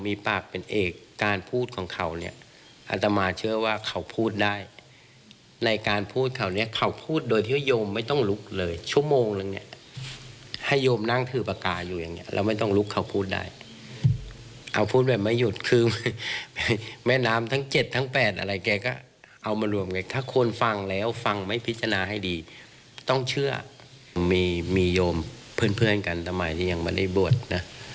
มีโยมเพื่อนกันแต่ไม่ที่ยังไม่ได้บวชนะ